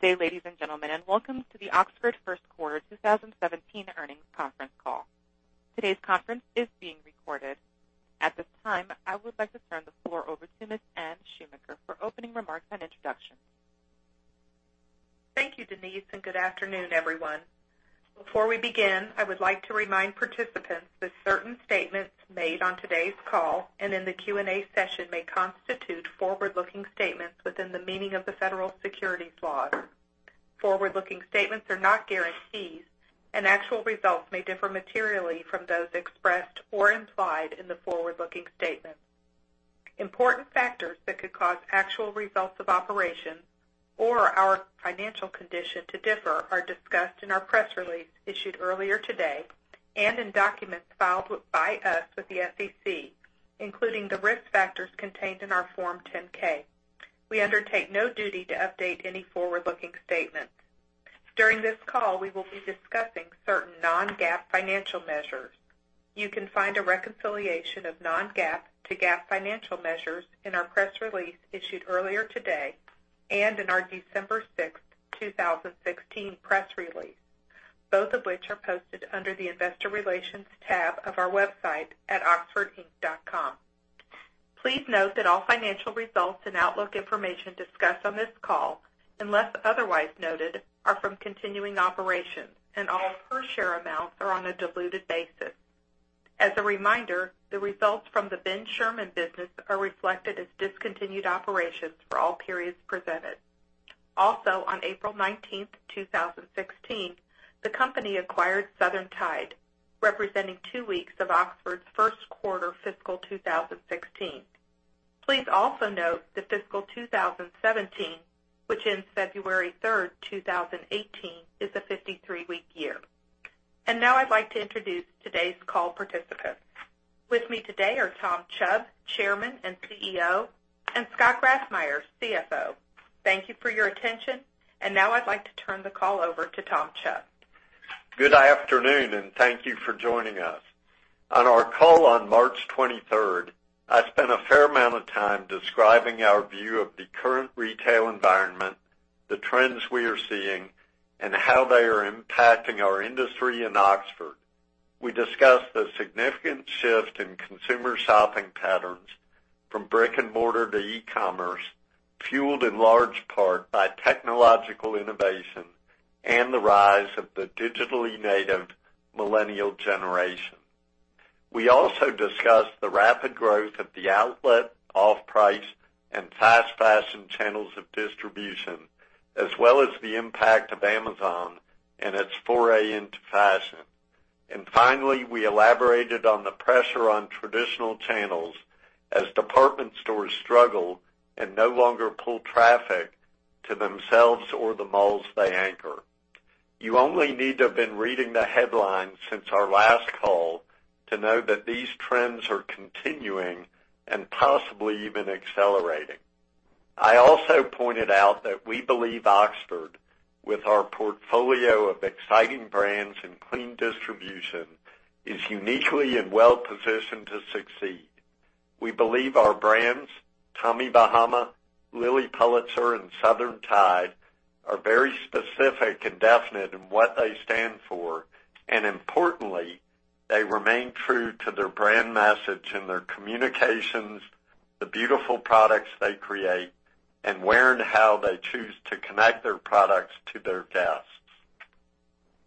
Good day, ladies and gentlemen, and welcome to the Oxford first quarter 2017 earnings conference call. Today's conference is being recorded. At this time, I would like to turn the floor over to Ms. Anne Shoemaker for opening remarks and introductions. Thank you, Denise. Good afternoon, everyone. Before we begin, I would like to remind participants that certain statements made on today's call and in the Q&A session may constitute forward-looking statements within the meaning of the federal securities laws. Forward-looking statements are not guarantees. Actual results may differ materially from those expressed or implied in the forward-looking statements. Important factors that could cause actual results of operations or our financial condition to differ are discussed in our press release issued earlier today and in documents filed by us with the SEC, including the risk factors contained in our Form 10-K. We undertake no duty to update any forward-looking statements. During this call, we will be discussing certain non-GAAP financial measures. You can find a reconciliation of non-GAAP to GAAP financial measures in our press release issued earlier today and in our December 6th, 2016, press release, both of which are posted under the investor relations tab of our website at oxfordinc.com. Please note that all financial results and outlook information discussed on this call, unless otherwise noted, are from continuing operations. All per share amounts are on a diluted basis. As a reminder, the results from the Ben Sherman business are reflected as discontinued operations for all periods presented. Also, on April 19th, 2016, the company acquired Southern Tide, representing two weeks of Oxford's first quarter fiscal 2016. Please also note that fiscal 2017, which ends February 3rd, 2018, is a 53-week year. Now I'd like to introduce today's call participants. With me today are Tom Chubb, Chairman and CEO, and Scott Grassmyer, CFO. Thank you for your attention. Now I'd like to turn the call over to Tom Chubb. Good afternoon, and thank you for joining us. On our call on March 23rd, I spent a fair amount of time describing our view of the current retail environment, the trends we are seeing, and how they are impacting our industry and Oxford. We discussed the significant shift in consumer shopping patterns from brick and mortar to e-commerce, fueled in large part by technological innovation and the rise of the digitally native millennial generation. We also discussed the rapid growth of the outlet, off-price, and fast fashion channels of distribution, as well as the impact of Amazon and its foray into fashion. Finally, we elaborated on the pressure on traditional channels as department stores struggle and no longer pull traffic to themselves or the malls they anchor. You only need to have been reading the headlines since our last call to know that these trends are continuing and possibly even accelerating. I also pointed out that we believe Oxford, with our portfolio of exciting brands and clean distribution, is uniquely and well positioned to succeed. We believe our brands, Tommy Bahama, Lilly Pulitzer, and Southern Tide, are very specific and definite in what they stand for, and importantly, they remain true to their brand message in their communications, the beautiful products they create, and where and how they choose to connect their products to their guests.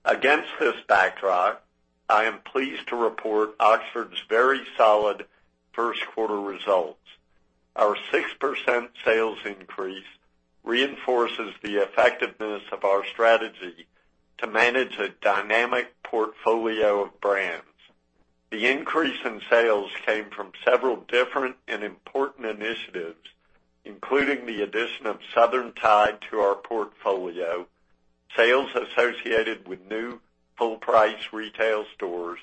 Against this backdrop, I am pleased to report Oxford's very solid first quarter results. Our 6% sales increase reinforces the effectiveness of our strategy to manage a dynamic portfolio of brands. The increase in sales came from several different and important initiatives, including the addition of Southern Tide to our portfolio, sales associated with new full-price retail stores,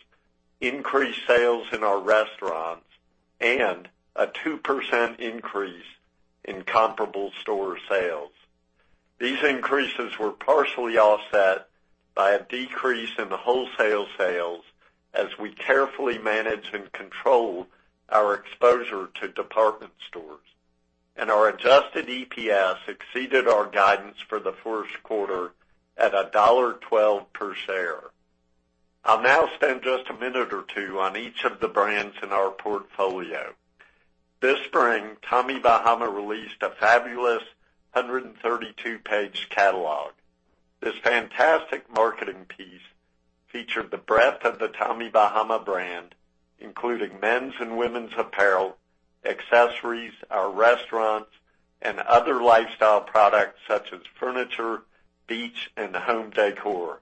increased sales in our restaurants, and a 2% increase in comparable store sales. These increases were partially offset by a decrease in the wholesale sales as we carefully manage and control our exposure to department stores. Our adjusted EPS exceeded our guidance for the first quarter at $1.12 per share. I'll now spend just a minute or two on each of the brands in our portfolio. This spring, Tommy Bahama released a fabulous 132-page catalog. This fantastic marketing piece featured the breadth of the Tommy Bahama brand, including men's and women's apparel, accessories, our restaurants, and other lifestyle products such as furniture, beach, and home decor.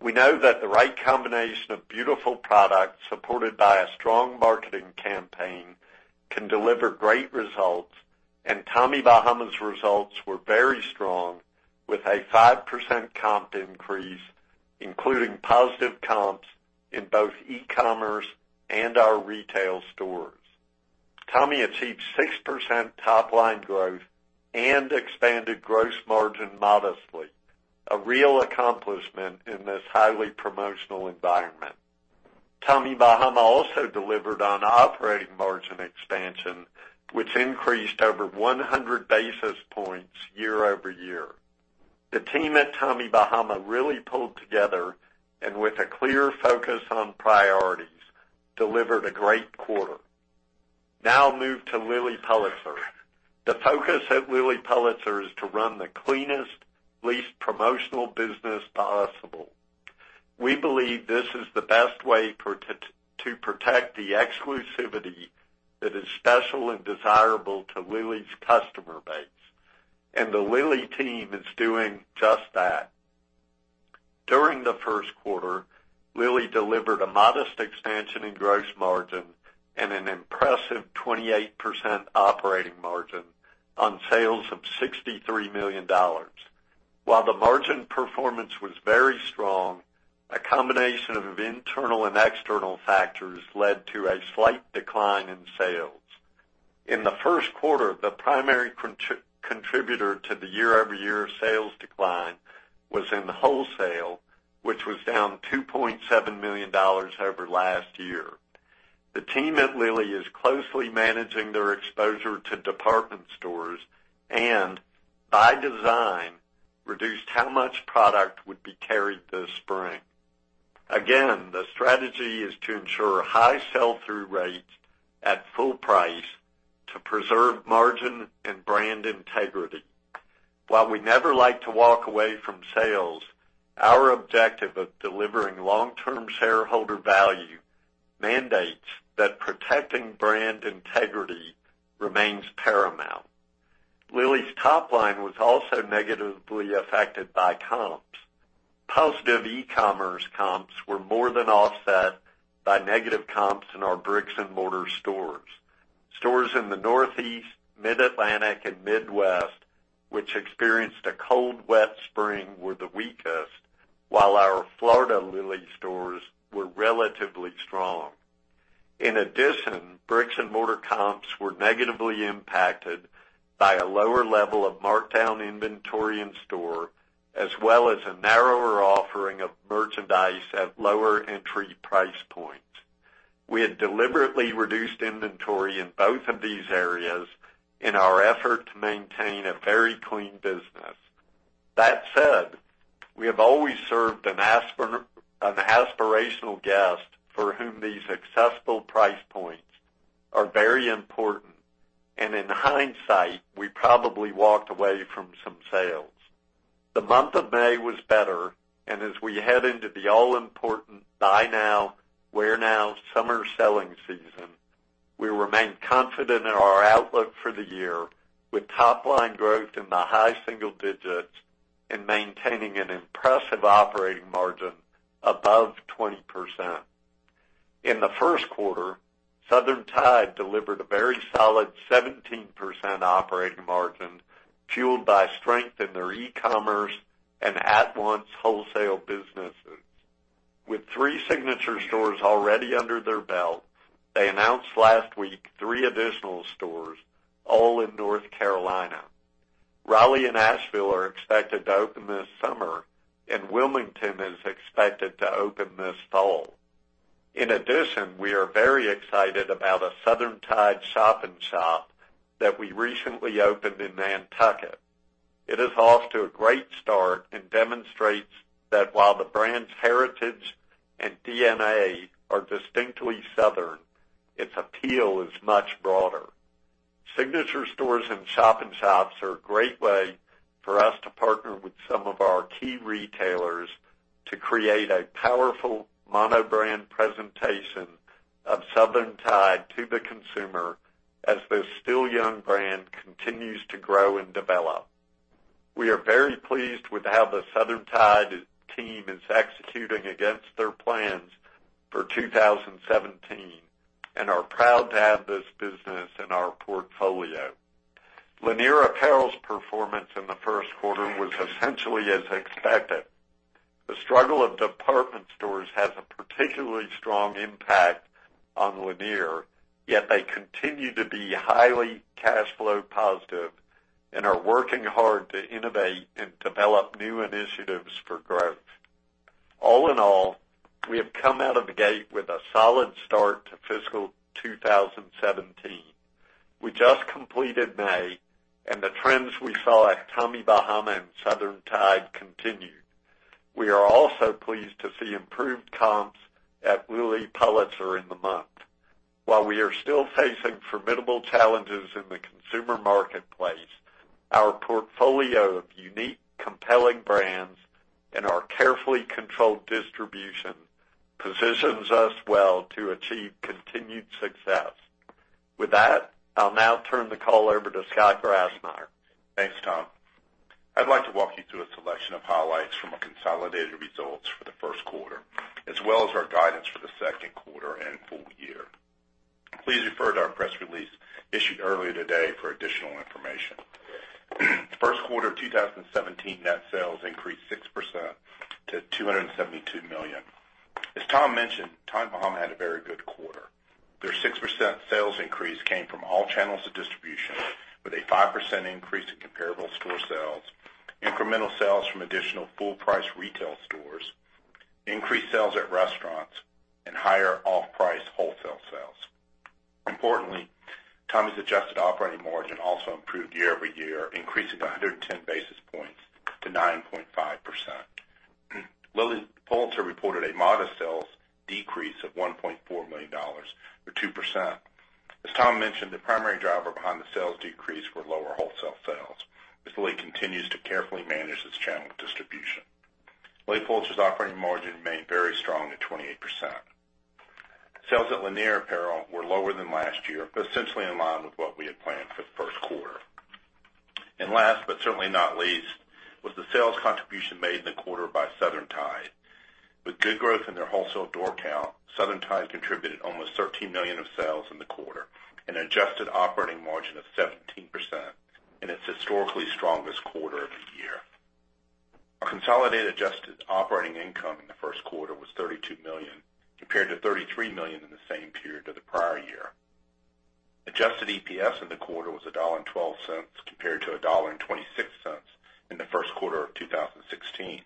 We know that the right combination of beautiful products supported by a strong marketing campaign can deliver great results. Tommy Bahama's results were very strong with a 5% comp increase, including positive comps in both e-commerce and our retail stores. Tommy achieved 6% top-line growth and expanded gross margin modestly, a real accomplishment in this highly promotional environment. Tommy Bahama also delivered on operating margin expansion, which increased over 100 basis points year-over-year. The team at Tommy Bahama really pulled together, and with a clear focus on priorities, delivered a great quarter. I'll move to Lilly Pulitzer. The focus at Lilly Pulitzer is to run the cleanest, least promotional business possible. We believe this is the best way to protect the exclusivity that is special and desirable to Lilly's customer base, and the Lilly team is doing just that. During the first quarter, Lilly delivered a modest expansion in gross margin and an impressive 28% operating margin on sales of $63 million. While the margin performance was very strong, a combination of internal and external factors led to a slight decline in sales. In the first quarter, the primary contributor to the year-over-year sales decline was in the wholesale, which was down $2.7 million over last year. The team at Lilly is closely managing their exposure to department stores and, by design, reduced how much product would be carried this spring. Again, the strategy is to ensure high sell-through rates at full price to preserve margin and brand integrity. While we never like to walk away from sales, our objective of delivering long-term shareholder value mandates that protecting brand integrity remains paramount. Lilly's top line was also negatively affected by comps. Positive e-commerce comps were more than offset by negative comps in our bricks-and-mortar stores. Stores in the Northeast, mid-Atlantic, and Midwest, which experienced a cold, wet spring, were the weakest, while our Florida Lilly stores were relatively strong. In addition, bricks-and-mortar comps were negatively impacted by a lower level of markdown inventory in store, as well as a narrower offering of merchandise at lower entry price points. We had deliberately reduced inventory in both of these areas in our effort to maintain a very clean business. That said, we have always served an aspirational guest for whom these accessible price points are very important. In hindsight, we probably walked away from some sales. The month of May was better. As we head into the all-important buy now, wear now summer selling season, we remain confident in our outlook for the year, with top-line growth in the high single digits and maintaining an impressive operating margin above 20%. In the first quarter, Southern Tide delivered a very solid 17% operating margin, fueled by strength in their e-commerce and at-once wholesale businesses. With three signature stores already under their belt, they announced last week three additional stores, all in North Carolina. Raleigh and Asheville are expected to open this summer, and Wilmington is expected to open this fall. In addition, we are very excited about a Southern Tide shop-in-shop that we recently opened in Nantucket. It is off to a great start and demonstrates that while the brand's heritage and DNA are distinctly Southern, its appeal is much broader. Signature stores and shop-in-shops are a great way for us to partner with some of our key retailers to create a powerful mono-brand presentation of Southern Tide to the consumer as this still young brand continues to grow and develop. We are very pleased with how the Southern Tide team is executing against their plans for 2017 and are proud to have this business in our portfolio. Lanier Apparel's performance in the first quarter was essentially as expected. The struggle of department stores has a particularly strong impact on Lanier, yet they continue to be highly cash flow positive and are working hard to innovate and develop new initiatives for growth. All in all, we have come out of the gate with a solid start to fiscal 2017. We just completed May. The trends we saw at Tommy Bahama and Southern Tide continued. We are also pleased to see improved comps at Lilly Pulitzer in the month. While we are still facing formidable challenges in the consumer marketplace, our portfolio of unique, compelling brands and our carefully controlled distribution positions us well to achieve continued success. With that, I'll now turn the call over to Scott Grassmyer. Thanks, Tom. I'd like to walk you through a selection of highlights from our consolidated results for the first quarter, as well as our guidance for the second quarter and full year. Please refer to our press release issued earlier today for additional information. First quarter of 2017, net sales increased 6% to $272 million. As Tom mentioned, Tommy Bahama had a very good quarter percent sales increase came from all channels of distribution, with a 5% increase in comparable store sales, incremental sales from additional full-price retail stores, increased sales at restaurants, and higher off-price wholesale sales. Importantly, Tommy's adjusted operating margin also improved year-over-year, increasing by 110 basis points to 9.5%. Lilly Pulitzer reported a modest sales decrease of $1.4 million, or 2%. As Tom mentioned, the primary driver behind the sales decrease were lower wholesale sales, as Lilly continues to carefully manage its channel of distribution. Lilly Pulitzer's operating margin remained very strong at 28%. Sales at Lanier Apparel were lower than last year, but essentially in line with what we had planned for the first quarter. Last but certainly not least, was the sales contribution made in the quarter by Southern Tide. With good growth in their wholesale door count, Southern Tide contributed almost $13 million of sales in the quarter, an adjusted operating margin of 17% in its historically strongest quarter of the year. Our consolidated adjusted operating income in the first quarter was $32 million, compared to $33 million in the same period of the prior year. Adjusted EPS in the quarter was $1.12 compared to $1.26 in the first quarter of 2016.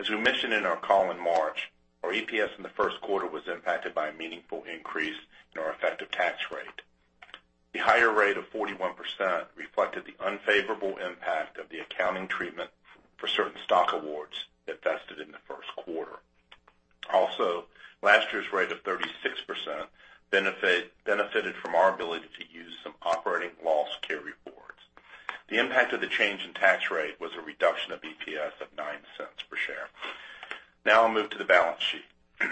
As we mentioned in our call in March, our EPS in the first quarter was impacted by a meaningful increase in our effective tax rate. The higher rate of 41% reflected the unfavorable impact of the accounting treatment for certain stock awards that vested in the first quarter. Also, last year's rate of 36% benefited from our ability to use some operating loss carry-forwards. The impact of the change in tax rate was a reduction of EPS of $0.09 per share. I'll move to the balance sheet.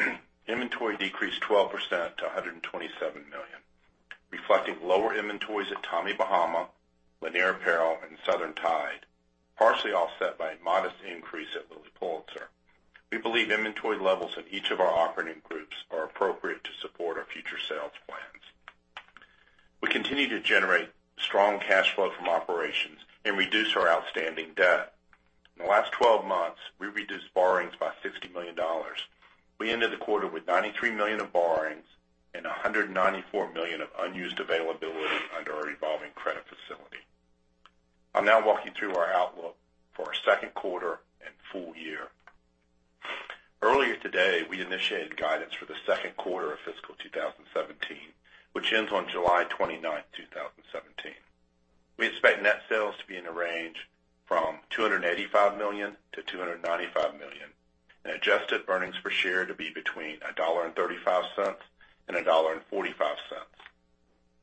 Inventory decreased 12% to $127 million, reflecting lower inventories at Tommy Bahama, Lanier Apparel, and Southern Tide, partially offset by a modest increase at Lilly Pulitzer. We believe inventory levels in each of our operating groups are appropriate to support our future sales plans. We continue to generate strong cash flow from operations and reduce our outstanding debt. In the last 12 months, we reduced borrowings by $60 million. We ended the quarter with $93 million of borrowings and $194 million of unused availability under our revolving credit facility. I'll now walk you through our outlook for our second quarter and full year. Earlier today, we initiated guidance for the second quarter of fiscal 2017, which ends on July 29, 2017. We expect net sales to be in the range from $285 million to $295 million, and adjusted earnings per share to be between $1.35 and $1.45.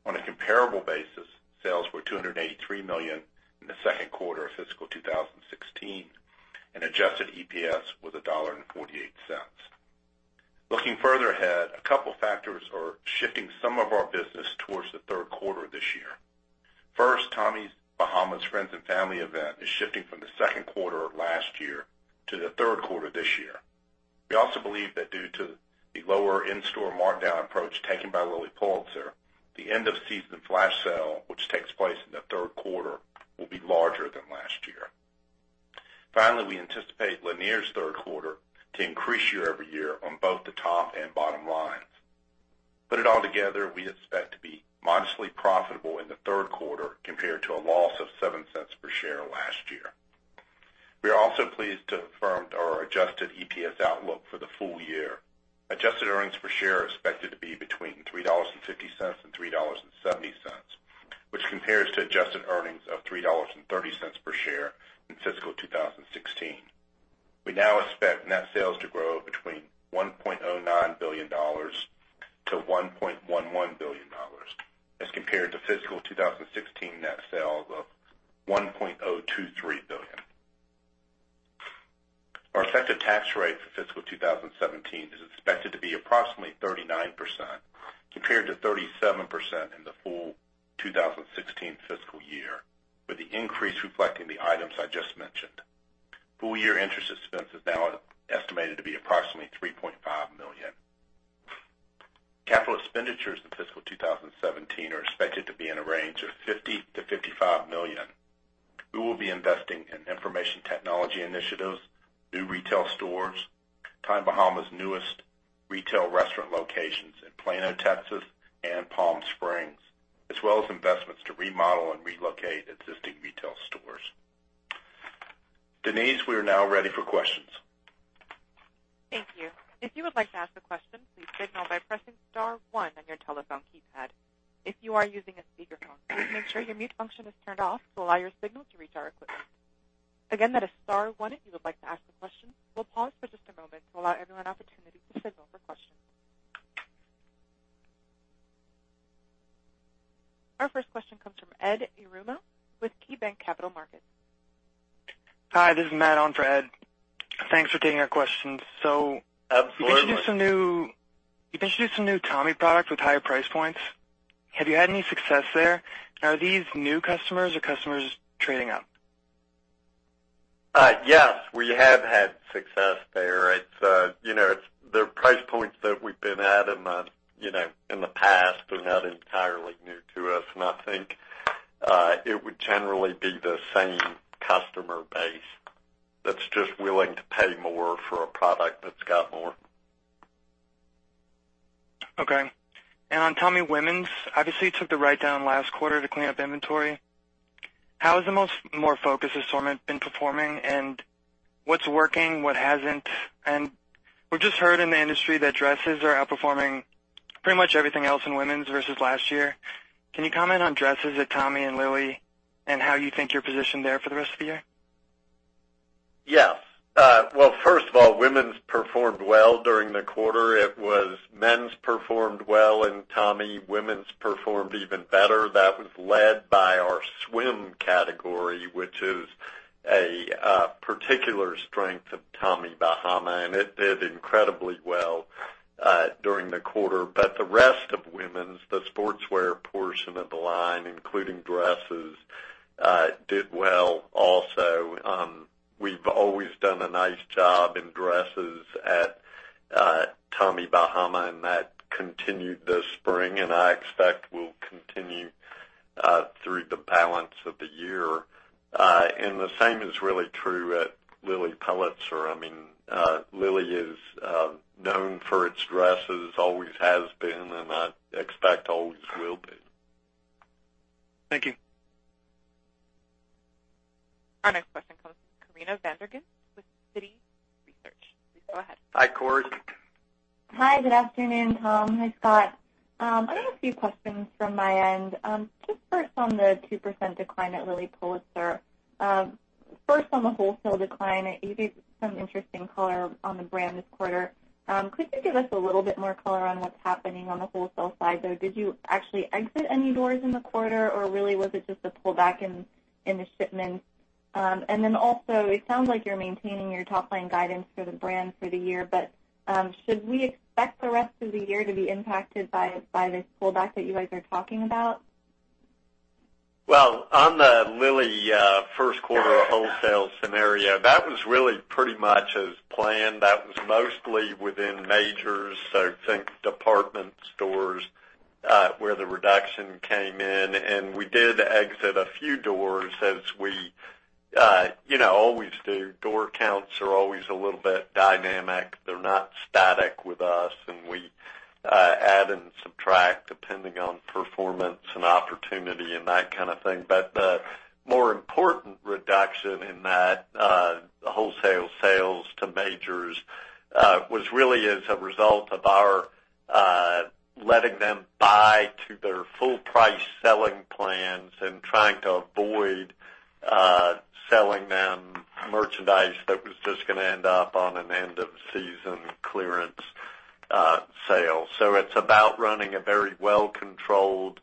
On a comparable basis, sales were $283 million in the second quarter of fiscal 2016, and adjusted EPS was $1.48. Looking further ahead, a couple factors are shifting some of our business towards the third quarter this year. First, Tommy Bahama's Friends and Family event is shifting from the second quarter of last year to the third quarter this year. We also believe that due to the lower in-store markdown approach taken by Lilly Pulitzer, the end of season flash sale, which takes place in the third quarter, will be larger than last year. Finally, we anticipate Lanier's third quarter to increase year-over-year on both the top and bottom lines. Put it all together, we expect to be modestly profitable in the third quarter, compared to a loss of $0.07 per share last year. We are also pleased to affirm our adjusted EPS outlook for the full year. Adjusted earnings per share are expected to be between $3.50 and $3.70, which compares to adjusted earnings of $3.30 per share in fiscal 2016. We now expect net sales to grow between $1.09 billion-$1.11 billion as compared to fiscal 2016 net sales of $1.023 billion. Our effective tax rate for fiscal 2017 is expected to be approximately 39%, compared to 37% in the full 2016 fiscal year, with the increase reflecting the items I just mentioned. Full year interest expense is now estimated to be approximately $3.5 million. Capital expenditures in fiscal 2017 are expected to be in a range of $50 million-$55 million. We will be investing in information technology initiatives, new retail stores, Tommy Bahama's newest retail restaurant locations in Plano, Texas, and Palm Springs, as well as investments to remodel and relocate existing retail stores. Denise, we are now ready for questions. Thank you. If you would like to ask a question, please signal by pressing *1 on your telephone keypad. If you are using a speakerphone, please make sure your mute function is turned off to allow your signal to reach our equipment. Again, that is *1 if you would like to ask a question. We'll pause for just a moment to allow everyone an opportunity to signal for questions. Our first question comes from Edward Yruma with KeyBanc Capital Markets. Hi, this is Matt on for Ed. Thanks for taking our questions. Absolutely. You've introduced some new Tommy products with higher price points. Have you had any success there? Are these new customers or customers trading up? Yes, we have had success there. The price points that we've been at in the past are not entirely new to us, and I think it would generally be the same customer base that's just willing to pay more for a product that's got more. Okay. On Tommy Women's, obviously, you took the write-down last quarter to clean up inventory. How has the most more focused assortment been performing, and what's working, what hasn't? We just heard in the industry that dresses are outperforming pretty much everything else in Women's versus last year. Can you comment on dresses at Tommy and Lilly, and how you think you're positioned there for the rest of the year? Well, first of all, women's performed well during the quarter. Men's performed well in Tommy, women's performed even better. That was led by our swim category, which is a particular strength of Tommy Bahama, and it did incredibly well during the quarter. The rest of women's, the sportswear portion of the line, including dresses, did well also. We've always done a nice job in dresses at Tommy Bahama, and that continued this spring, and I expect will continue through the balance of the year. The same is really true at Lilly Pulitzer. Lilly is known for its dresses, always has been, and I expect always will be. Thank you. Our next question comes from Corinna Freedman with Citi Research. Please go ahead. Hi, Cor. Hi. Good afternoon, Tom. Hi, Scott. I have a few questions from my end. Just first on the 2% decline at Lilly Pulitzer. First on the wholesale decline, you gave some interesting color on the brand this quarter. Could you give us a little bit more color on what's happening on the wholesale side, though? Did you actually exit any doors in the quarter, or really was it just a pullback in the shipments? Also, it sounds like you're maintaining your top-line guidance for the brand for the year, but should we expect the rest of the year to be impacted by this pullback that you guys are talking about? Well, on the Lilly first quarter wholesale scenario, that was really pretty much as planned. That was mostly within majors, so think department stores, where the reduction came in. We did exit a few doors as we always do. Door counts are always a little bit dynamic. They're not static with us, and we add and subtract depending on performance and opportunity and that kind of thing. The more important reduction in that wholesale sales to majors, was really as a result of our letting them buy to their full-price selling plans and trying to avoid selling them merchandise that was just going to end up on an end-of-season clearance sale. It's about running a very well-controlled,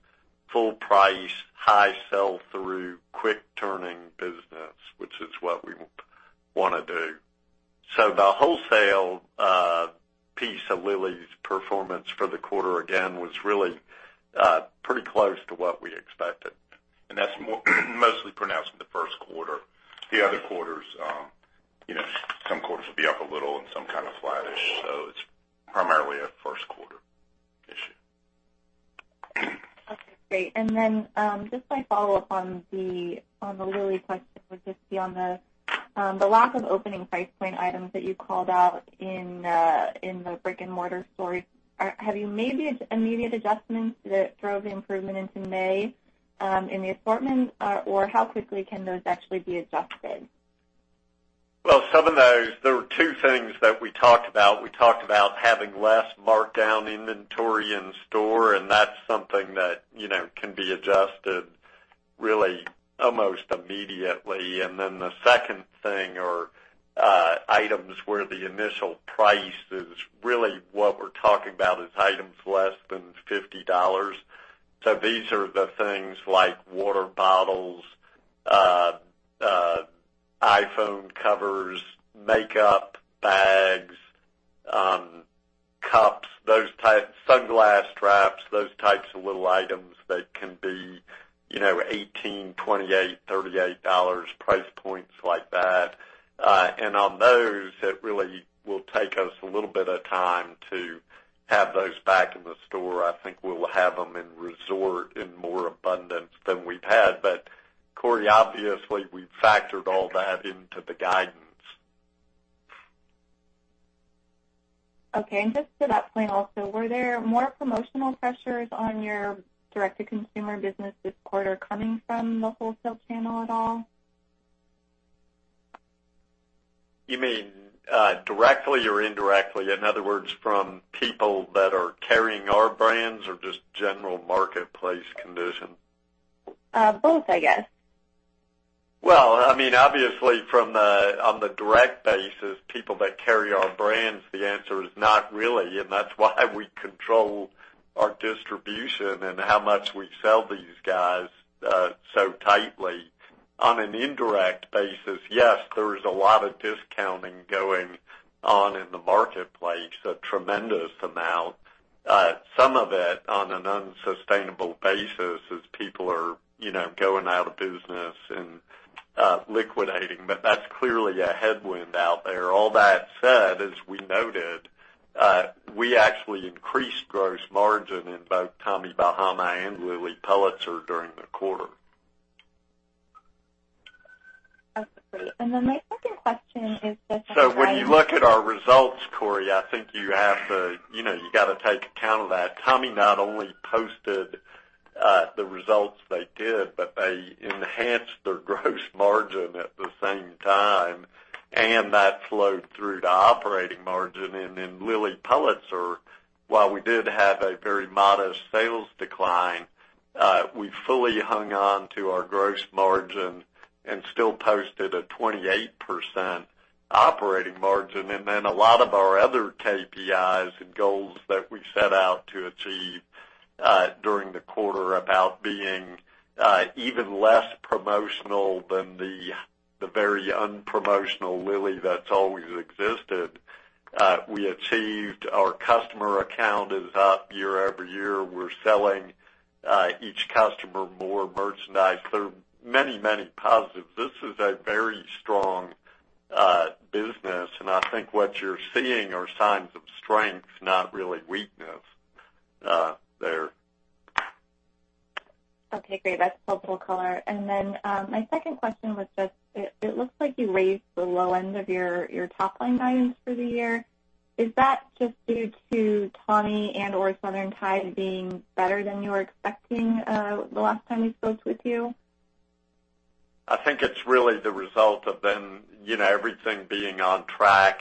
full price, high sell-through, quick turning business, which is what we want to do. The wholesale piece of Lilly's performance for the quarter, again, was really pretty close to what we expected, and that's mostly pronounced in the first quarter. The other quarters, some quarters will be up a little and some kind of flattish. It's primarily a first quarter issue. Okay, great. Just my follow-up on the Lilly question would just be on the lack of opening price point items that you called out in the brick-and-mortar stores. Have you made any immediate adjustments that drove the improvement into May in the assortments? How quickly can those actually be adjusted? Some of those, there were two things that we talked about. We talked about having less markdown inventory in store, that's something that can be adjusted really almost immediately. The second thing, or items where the initial price is really what we're talking about, is items less than $50. These are the things like water bottles, iPhone covers, makeup bags, cups, sunglass straps, those types of little items that can be $18, $28, $38, price points like that. On those, it really will take us a little bit of time to have those back in the store. I think we'll have them in resort in more abundance than we've had. Corey, obviously, we've factored all that into the guidance. Just to that point also, were there more promotional pressures on your direct-to-consumer business this quarter coming from the wholesale channel at all? You mean directly or indirectly? In other words, from people that are carrying our brands or just general marketplace condition? Both, I guess. Obviously on the direct basis, people that carry our brands, the answer is not really, and that's why we control our distribution and how much we sell these guys so tightly. On an indirect basis, yes, there is a lot of discounting going on in the marketplace, a tremendous amount. Some of it on an unsustainable basis as people are going out of business and liquidating. That's clearly a headwind out there. All that said, as we noted. We actually increased gross margin in both Tommy Bahama and Lilly Pulitzer during the quarter. Okay. My second question is. When you look at our results, Corey, I think you got to take account of that. Tommy not only posted the results they did, but they enhanced their gross margin at the same time, and that flowed through to operating margin. In Lilly Pulitzer, while we did have a very modest sales decline, we fully hung on to our gross margin and still posted a 28% operating margin. A lot of our other KPIs and goals that we set out to achieve during the quarter about being even less promotional than the very unpromotional Lilly that's always existed. We achieved our customer count is up year-over-year. We're selling each customer more merchandise. There are many positives. This is a very strong business, and I think what you're seeing are signs of strength, not really weakness there. Okay, great. That's helpful color. My second question was just, it looks like you raised the low end of your top-line guidance for the year. Is that just due to Tommy and/or Southern Tide being better than you were expecting the last time we spoke with you? I think it's really the result of everything being on track.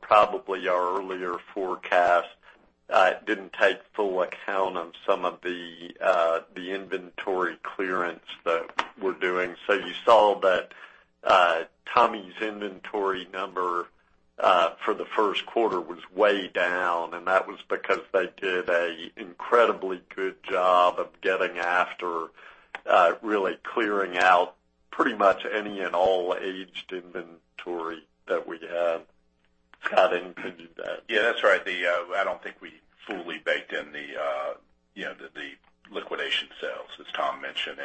Probably our earlier forecast didn't take full account of some of the inventory clearance that we're doing. You saw that Tommy's inventory number for the first quarter was way down, and that was because they did a incredibly good job of getting after really clearing out pretty much any and all aged inventory that we had. Scott, anything to that? Yeah, that's right. I don't think we fully baked in the liquidation sales, as Tom mentioned.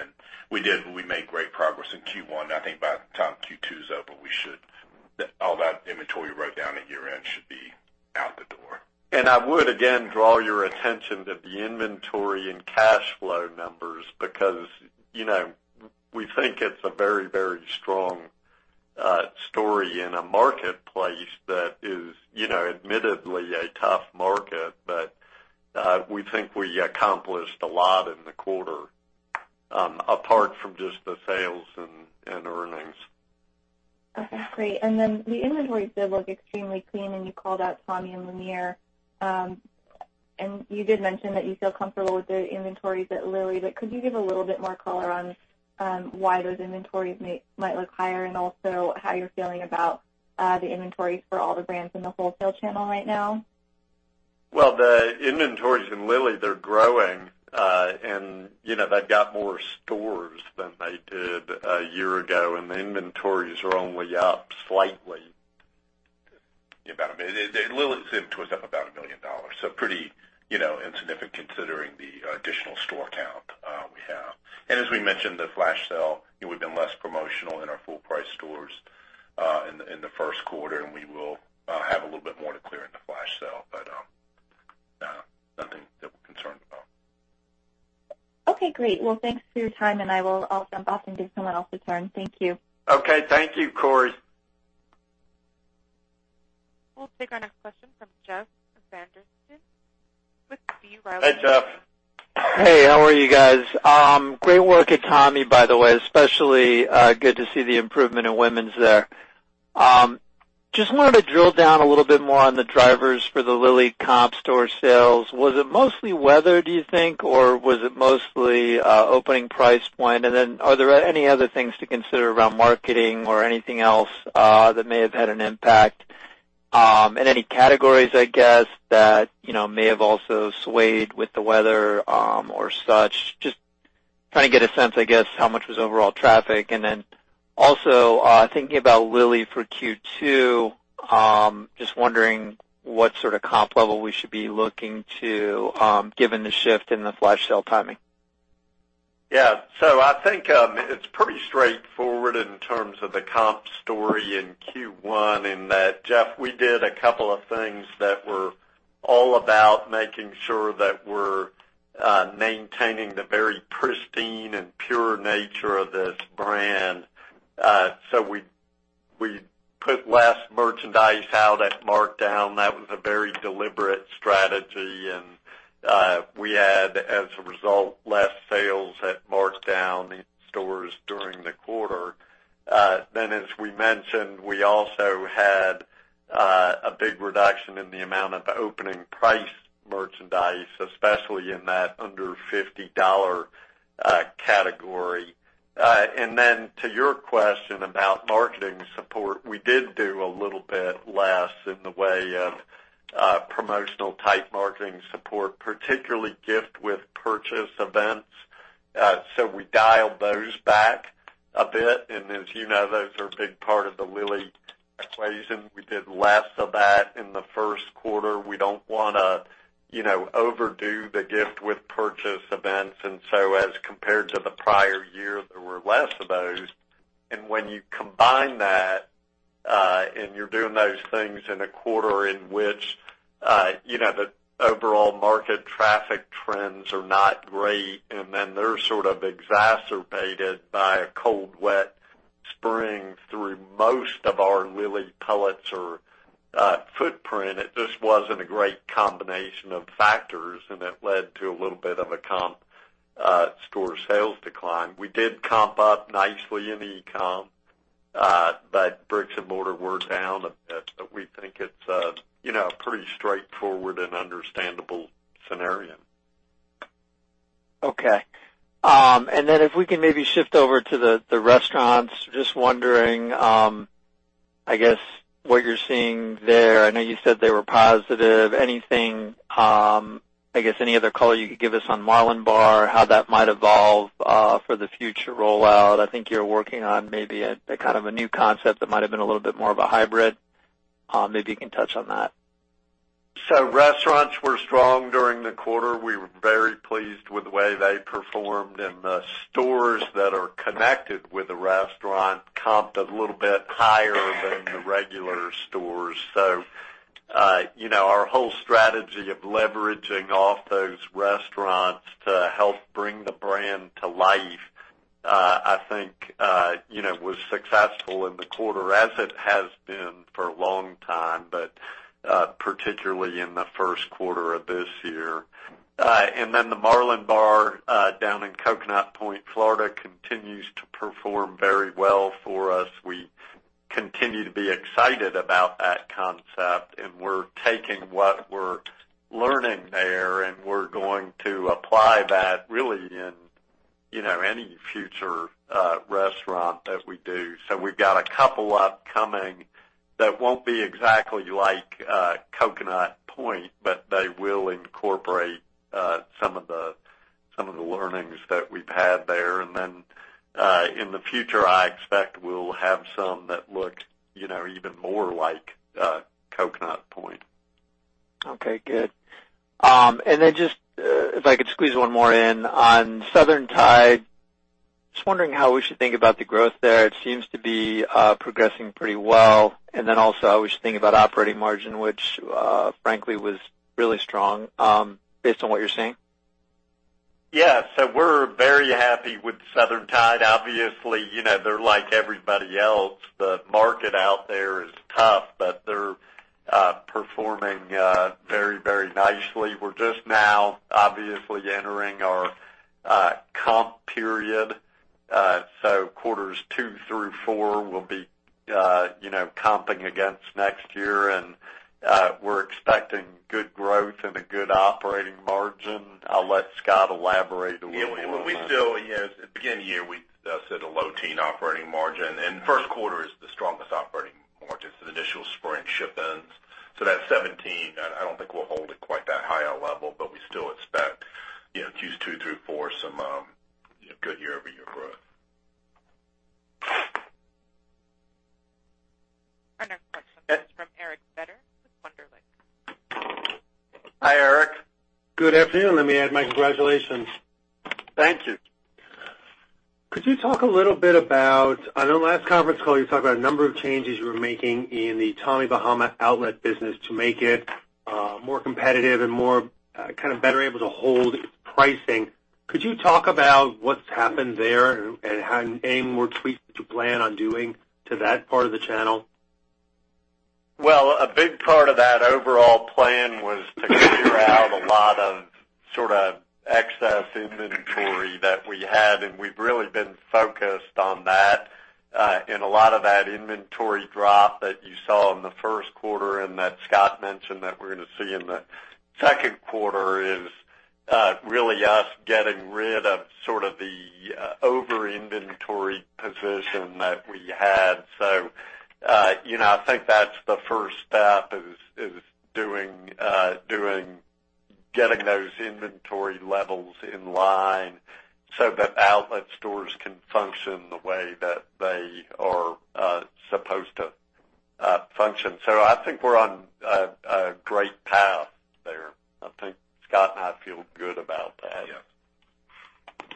We did, but we made great progress in Q1. I think by the time Q2's over, all that inventory wrote down at year-end should be out the door. I would, again, draw your attention to the inventory and cash flow numbers because we think it's a very strong story in a marketplace that is admittedly a tough market. We think we accomplished a lot in the quarter apart from just the sales and earnings. Okay, great. The inventories did look extremely clean, and you called out Tommy and Lanier. You did mention that you feel comfortable with the inventories at Lilly, but could you give a little bit more color on why those inventories might look higher, and also how you're feeling about the inventories for all the brands in the wholesale channel right now? Well, the inventories in Lilly Pulitzer, they're growing. They've got more stores than they did a year ago, and the inventories are only up slightly. Lilly Pulitzer's inventory is up about $1 million, so pretty insignificant considering the additional store count we have. As we mentioned, the flash sale, we've been less promotional in our full price stores in the first quarter, and we will have a little bit more to clear in the flash sale, but nothing that we're concerned about. Okay, great. Well, thanks for your time, and I will jump off and give someone else a turn. Thank you. Okay. Thank you, Corey. We'll take our next question from Jeff Van Sinderen with B. Riley. Hi, Jeff. Hey, how are you guys? Great work at Tommy, by the way, especially good to see the improvement in women's there. Just wanted to drill down a little bit more on the drivers for the Lilly comp store sales. Was it mostly weather, do you think, or was it mostly opening price point? Are there any other things to consider around marketing or anything else that may have had an impact? Any categories, I guess, that may have also swayed with the weather or such. Just trying to get a sense, I guess, how much was overall traffic. Also thinking about Lilly for Q2, just wondering what sort of comp level we should be looking to given the shift in the flash sale timing. Yeah. I think it's pretty straightforward in terms of the comp story in Q1 in that, Jeff, we did a couple of things that were all about making sure that we're maintaining the very pristine and pure nature of this brand. We put less merchandise out at markdown. That was a very deliberate strategy, and we had, as a result, less sales at markdown in stores during the quarter. As we mentioned, we also had a big reduction in the amount of opening price merchandise, especially in that under $50 category. To your question about marketing support, we did do a little bit less in the way of promotional type marketing support, particularly gift with purchase events. We dialed those back a bit, and as you know, those are a big part of the Lilly equation. We did less of that in the first quarter. We don't want to overdo the gift with purchase events. As compared to the prior year, less of those. When you combine that and you're doing those things in a quarter in which the overall market traffic trends are not great, then they're sort of exacerbated by a cold, wet spring through most of our Lilly Pulitzer footprint, it just wasn't a great combination of factors, and it led to a little bit of a comp store sales decline. We did comp up nicely in e-com, but bricks and mortar were down a bit, but we think it's a pretty straightforward and understandable scenario. Okay. If we can maybe shift over to the restaurants. Just wondering, I guess, what you're seeing there. I know you said they were positive. Anything, I guess any other color you could give us on Marlin Bar, how that might evolve for the future rollout. I think you're working on maybe a new concept that might've been a little bit more of a hybrid. Maybe you can touch on that. Restaurants were strong during the quarter. We were very pleased with the way they performed. The stores that are connected with the restaurant comped a little bit higher than the regular stores. Our whole strategy of leveraging off those restaurants to help bring the brand to life, I think, was successful in the quarter, as it has been for a long time, but particularly in the first quarter of this year. The Marlin Bar down in Coconut Point, Florida continues to perform very well for us. We continue to be excited about that concept. We're taking what we're learning there, and we're going to apply that really in any future restaurant that we do. We've got a couple upcoming that won't be exactly like Coconut Point, but they will incorporate some of the learnings that we've had there. In the future, I expect we'll have some that look even more like Coconut Point. Okay, good. Then just, if I could squeeze one more in on Southern Tide. Just wondering how we should think about the growth there. It seems to be progressing pretty well. Then also, how we should think about operating margin, which, frankly, was really strong, based on what you're saying. Yeah. We're very happy with Southern Tide. Obviously, they're like everybody else. The market out there is tough, but they're performing very nicely. We're just now obviously entering our comp period. Quarters 2 through 4 will be comping against next year, and we're expecting good growth and a good operating margin. I'll let Scott elaborate a little more on that. Yeah. At the beginning of the year, we said a low-teen operating margin, and first quarter is the strongest operating margin for the initial spring shipments. That's 17%, and I don't think we'll hold it quite that high a level, but we still expect Q2 through 4 some good year-over-year growth. Our next question comes from Eric Beder with Wunderlich. Hi, Eric. Good afternoon. Let me add my congratulations. Thank you. Could you talk a little bit about I know last conference call, you talked about a number of changes you were making in the Tommy Bahama outlet business to make it more competitive and more better able to hold its pricing. Could you talk about what's happened there and any more tweaks that you plan on doing to that part of the channel? Well, a big part of that overall plan was to clear out a lot of excess inventory that we had. We've really been focused on that. A lot of that inventory drop that you saw in the first quarter and that Scott mentioned that we're gonna see in the second quarter is really us getting rid of the over-inventory position that we had. I think that's the first step is getting those inventory levels in line so that outlet stores can function the way that they are supposed to function. I think we're on a great path there. I think Scott and I feel good about that. Yeah.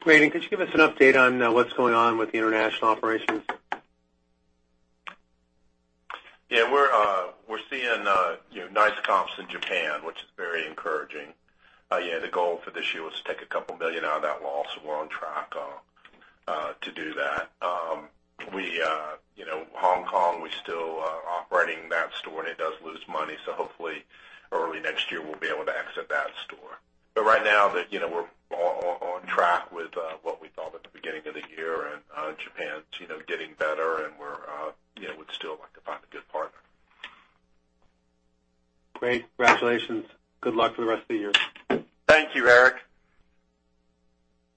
Great. Could you give us an update on what's going on with the international operations? Yeah. We're seeing nice comps in Japan, which is very encouraging. The goal for this year was to take a couple million out of that loss. We're on track to do that. Hong Kong, we're still operating that store, and it does lose money, hopefully early next year, we'll be able to exit that store. Right now, we're on track with what we thought at the beginning of the year, Japan's getting better, and we'd still like to find a good partner. Great. Congratulations. Good luck for the rest of the year. Thank you, Eric.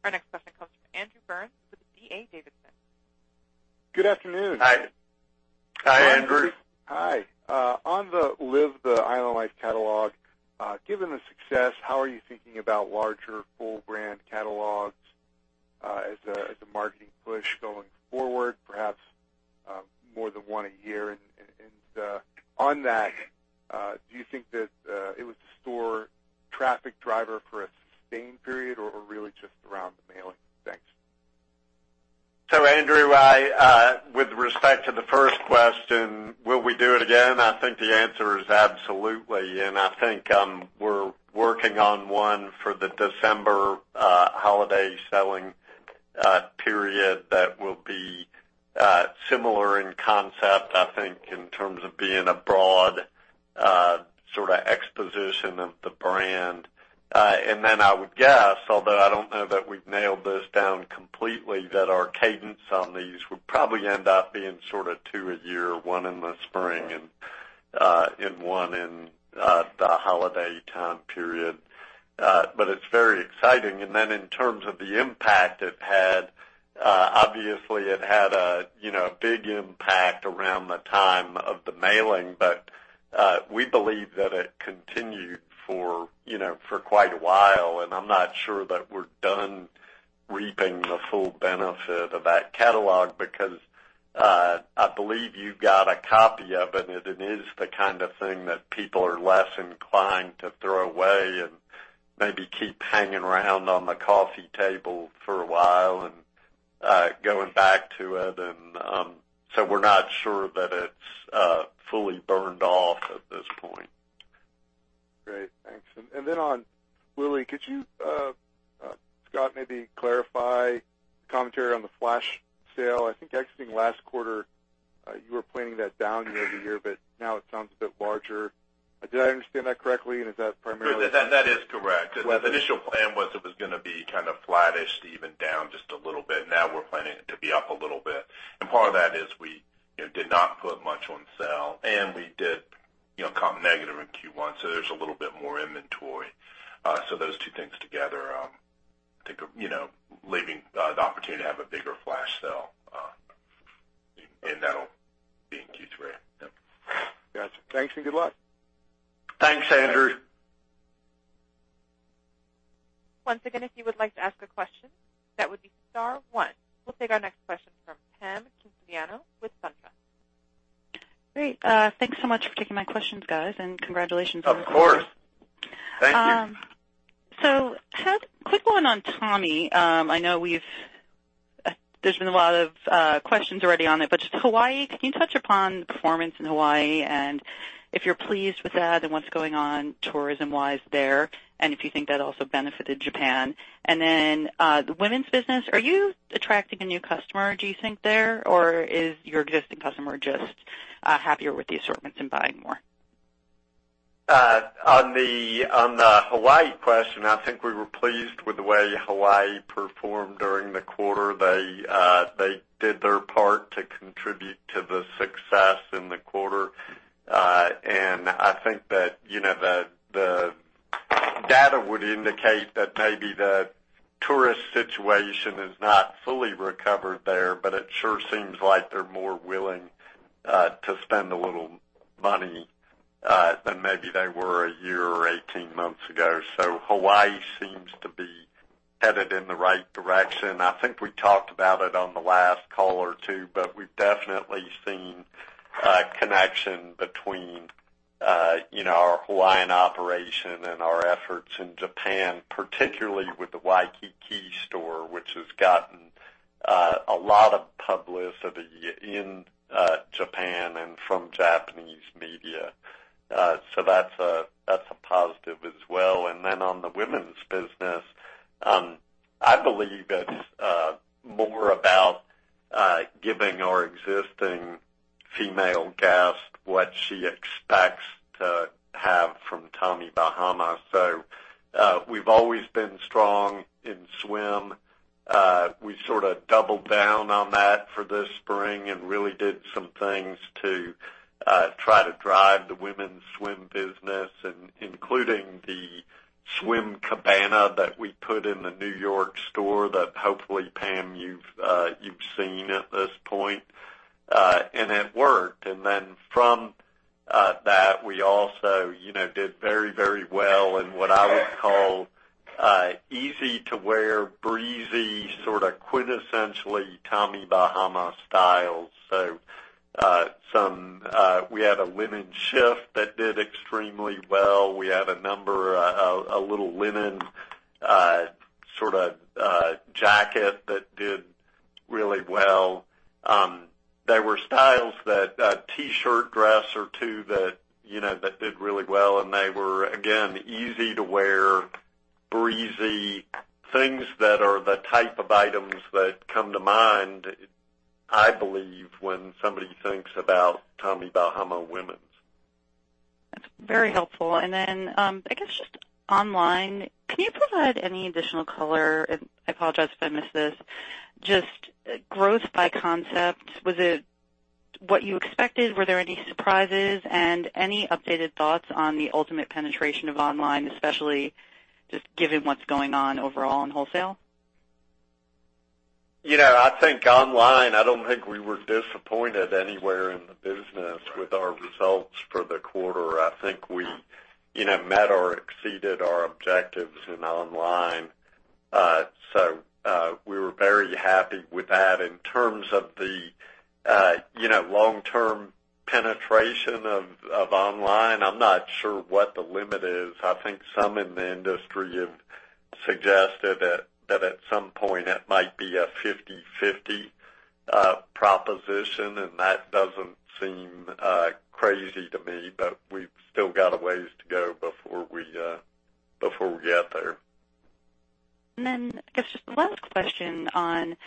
Our next question comes from Andrew Burns with D.A. Davidson. Good afternoon. Hi. Hi, Andrew. Hi. On the Live the Island Life catalog, given the success, how are you thinking about larger full-brand catalogs as a marketing push going forward, perhaps more than one a year. On that, do you think that it was a store traffic driver for a sustained period or really just around the mailing? Thanks. Andrew, with respect to the first question, will we do it again? I think the answer is absolutely. I think we're working on one for the December holiday selling period that will be similar in concept, I think, in terms of being a broad sort of exposition of the brand. I would guess, although I don't know that we've nailed this down completely, that our cadence on these would probably end up being sort of two a year, one in the spring and one in the holiday time period. It's very exciting. In terms of the impact it had, obviously it had a big impact around the time of the mailing. We believe that it continued for quite a while. I'm not sure that we're done reaping the full benefit of that catalog because I believe you got a copy of it, and it is the kind of thing that people are less inclined to throw away and maybe keep hanging around on the coffee table for a while and going back to it. We're not sure that it's fully burned off at this point. Great, thanks. On Lilly, could you, Scott, maybe clarify the commentary on the flash sale? I think exiting last quarter, you were planning that down year-over-year, but now it sounds a bit larger. Did I understand that correctly, is that primarily- That is correct. Weather. The initial plan was it was going to be kind of flattish to even down just a little bit. Now we're planning it to be up a little bit. Part of that is we did not put much on sale, and we did comp negative in Q1, so there's a little bit more inventory. Those two things together, I think, are leaving the opportunity to have a bigger flash sale, and that'll be in Q3. Yep. Got you. Thanks and good luck. Thanks, Andrew. Once again, if you would like to ask a question, that would be star one. We'll take our next question from Pamela Quintiliano with SunTrust. Great. Thanks so much for taking my questions, guys, and congratulations on- Of course. Thank you. Quick one on Tommy. I know there's been a lot of questions already on it, but just Hawaii, can you touch upon the performance in Hawaii and if you're pleased with that and what's going on tourism-wise there, and if you think that also benefited Japan? The women's business, are you attracting a new customer, do you think, there? Or is your existing customer just happier with the assortments and buying more? On the Hawaii question, I think we were pleased with the way Hawaii performed during the quarter. They did their part to contribute to the success in the quarter. I think that the data would indicate that maybe the tourist situation is not fully recovered there, but it sure seems like they're more willing to spend a little money than maybe they were a year or 18 months ago. Hawaii seems to be headed in the right direction. I think we talked about it on the last call or two, but we've definitely seen a connection between our Hawaiian operation and our efforts in Japan, particularly with the Waikiki store, which has gotten a lot of publicity in Japan and from Japanese media. That's a positive as well. On the women's business, I believe it's more about giving our existing female guest what she expects to have from Tommy Bahama. We've always been strong in swim. We sort of doubled down on that for this spring and really did some things to try to drive the women's swim business, including the swim cabana that we put in the New York store that hopefully, Pam, you've seen at this point. It worked. From that, we also did very well in what I would call easy to wear, breezy, sort of quintessentially Tommy Bahama styles. We had a linen shift that did extremely well. We had a little linen sort of jacket that did really well. There were styles, a T-shirt dress or two that did really well, they were, again, easy to wear, breezy things that are the type of items that come to mind, I believe, when somebody thinks about Tommy Bahama women's. That's very helpful. Just online, can you provide any additional color, I apologize if I missed this, just growth by concept. Was it what you expected? Were there any surprises? Any updated thoughts on the ultimate penetration of online, especially just given what's going on overall in wholesale? I think online, I don't think we were disappointed anywhere in the business with our results for the quarter. I think we met or exceeded our objectives in online. We were very happy with that. In terms of the long-term penetration of online, I'm not sure what the limit is. I think some in the industry have suggested that at some point it might be a 50/50 proposition. That doesn't seem crazy to me, we've still got a ways to go before we get there. I guess just the last question on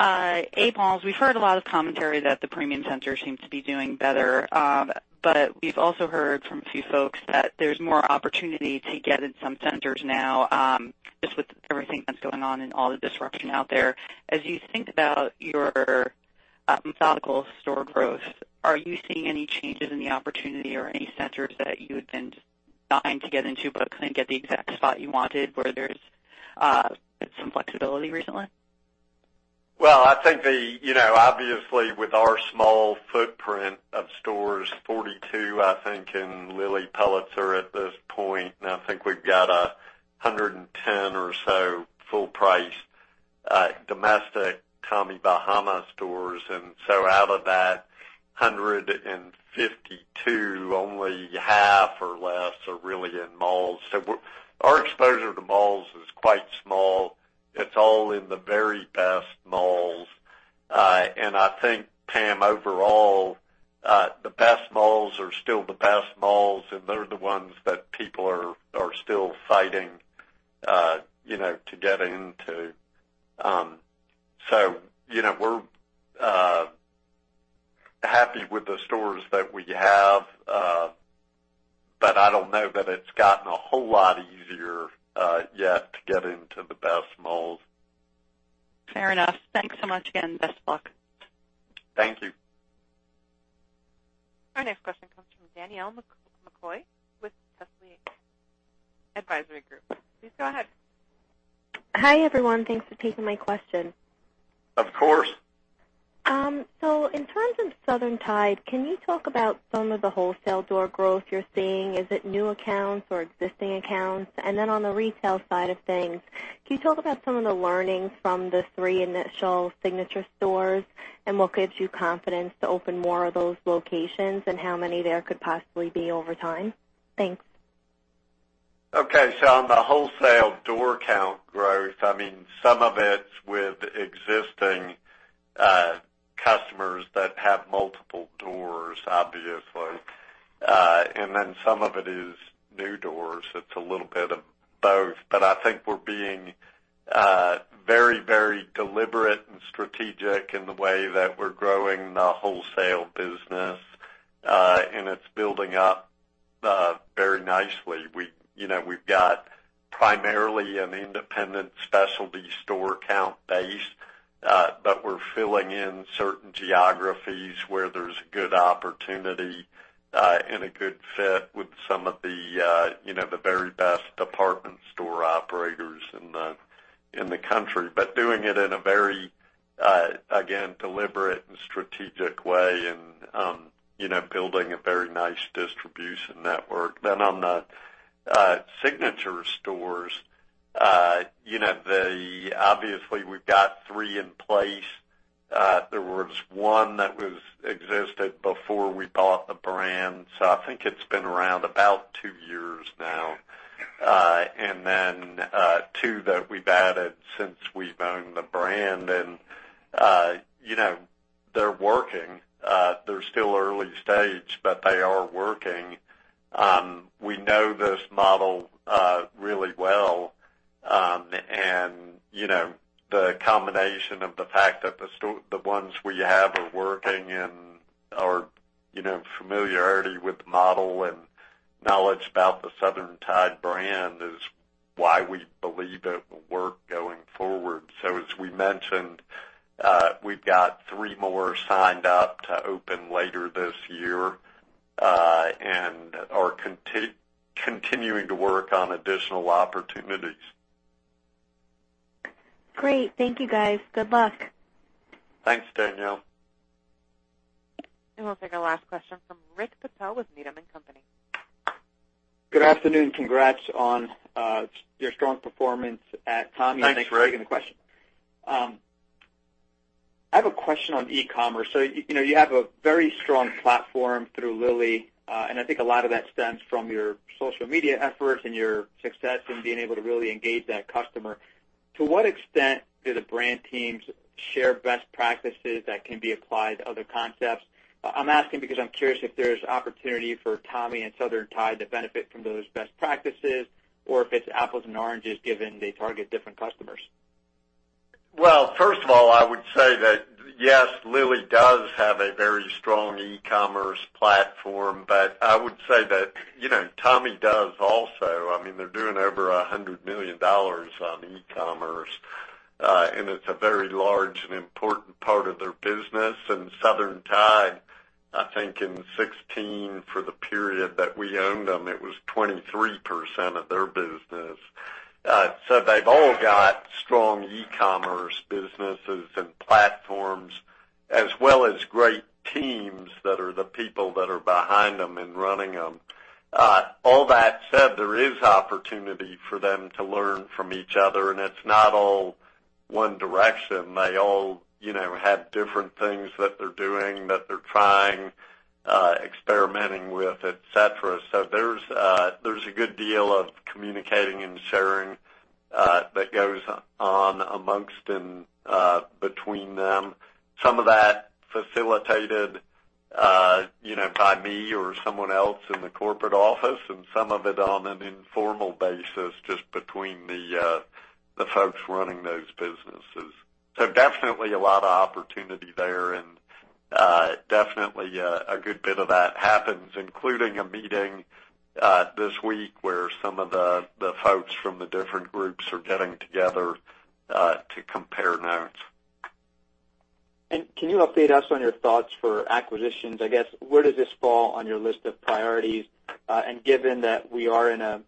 A malls. We've heard a lot of commentary that the premium centers seem to be doing better, we've also heard from a few folks that there's more opportunity to get in some centers now, just with everything that's going on and all the disruption out there. As you think about your methodical store growth, are you seeing any changes in the opportunity or any centers that you had been dying to get into couldn't get the exact spot you wanted where there's some flexibility recently? I think obviously with our small footprint of stores, 42, I think, in Lilly Pulitzer at this point, I think we've got 110 or so full-price domestic Tommy Bahama stores. Out of that 152, only half or less are really in malls. Our exposure to malls is quite small. It's all in the very best malls. I think, Pam, overall, the best malls are still the best malls, they're the ones that people are still fighting to get into. We're happy with the stores that we have. I don't know that it's gotten a whole lot easier yet to get into the best malls. Fair enough. Thanks so much again. Best of luck. Thank you. Our next question comes from Danielle McCoy with Wesley Advisory Group. Please go ahead. Hi, everyone. Thanks for taking my question. Of course. In terms of Southern Tide, can you talk about some of the wholesale door growth you are seeing? Is it new accounts or existing accounts? On the retail side of things, can you talk about some of the learnings from the three initial signature stores and what gives you confidence to open more of those locations and how many there could possibly be over time? Thanks. Okay. On the wholesale door count growth, some of it's with existing customers that have multiple doors, obviously. Some of it is new doors. It's a little bit of both. I think we're being very deliberate and strategic in the way that we're growing the wholesale business. It's building up very nicely. We've got primarily an independent specialty store count base, but we're filling in certain geographies where there's good opportunity and a good fit with some of the very best department store operators in the country, but doing it in a very, again, deliberate and strategic way and building a very nice distribution network. On the signature stores, obviously we've got three in place. There was one that existed before we bought the brand, so I think it's been around about two years now. Two that we've added since we've owned the brand, they're working. They're still early stage, they are working. We know this model really well, and the combination of the fact that the ones we have are working and our familiarity with the model and knowledge about the Southern Tide brand is why we believe it will work going forward. As we mentioned, we've got three more signed up to open later this year, are continuing to work on additional opportunities. Great. Thank you guys. Good luck. Thanks, Danielle. We'll take our last question from Rick Patel with Needham & Company. Good afternoon. Congrats on your strong performance at Tommy. Thanks, Rick. Thanks for taking the question. I have a question on e-commerce. You have a very strong platform through Lilly, and I think a lot of that stems from your social media efforts and your success in being able to really engage that customer. To what extent do the brand teams share best practices that can be applied to other concepts? I'm asking because I'm curious if there's opportunity for Tommy and Southern Tide to benefit from those best practices or if it's apples and oranges, given they target different customers. Well, first of all, I would say that, yes, Lilly does have a very strong e-commerce platform, but I would say that Tommy does also. They're doing over $100 million on e-commerce. It's a very large and important part of their business. Southern Tide, I think in 2016, for the period that we owned them, it was 23% of their business. They've all got strong e-commerce businesses and platforms, as well as great teams that are the people that are behind them and running them. All that said, there is opportunity for them to learn from each other, and it's not all one direction. They all have different things that they're doing, that they're trying, experimenting with, et cetera. There's a good deal of communicating and sharing that goes on amongst and between them. Some of that facilitated by me or someone else in the corporate office, and some of it on an informal basis just between the folks running those businesses. Definitely a lot of opportunity there and definitely a good bit of that happens, including a meeting this week where some of the folks from the different groups are getting together to compare notes. Can you update us on your thoughts for acquisitions? I guess, where does this fall on your list of priorities? Given that we are in a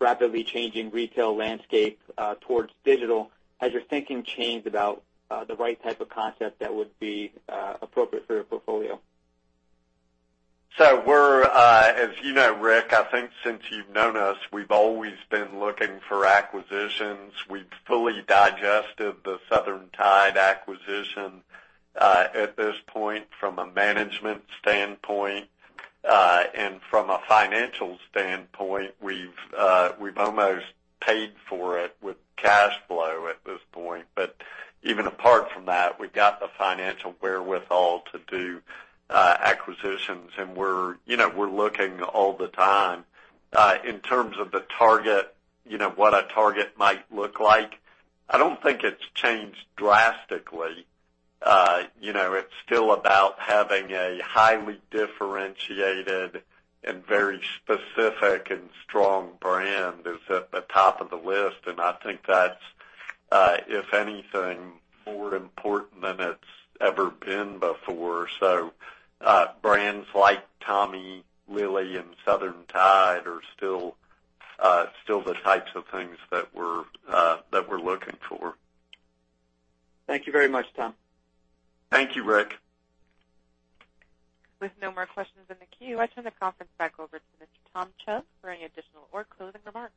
rapidly changing retail landscape towards digital, has your thinking changed about the right type of concept that would be appropriate for your portfolio? We're, as you know, Rick, I think since you've known us, we've always been looking for acquisitions. We've fully digested the Southern Tide acquisition at this point from a management standpoint. From a financial standpoint, we've almost paid for it with cash flow at this point. Even apart from that, we've got the financial wherewithal to do acquisitions, and we're looking all the time. In terms of the target, what a target might look like, I don't think it's changed drastically. It's still about having a highly differentiated and very specific and strong brand is at the top of the list, and I think that's, if anything, more important than it's ever been before. Brands like Tommy, Lilly, and Southern Tide are still the types of things that we're looking for. Thank you very much, Tom. Thank you, Rick. With no more questions in the queue, I turn the conference back over to Mr. Tom Chubb for any additional or closing remarks.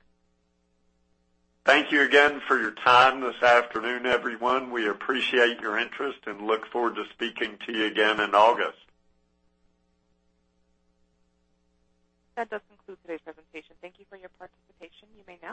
Thank you again for your time this afternoon, everyone. We appreciate your interest and look forward to speaking to you again in August. That does conclude today's presentation. Thank you for your participation. You may disconnect.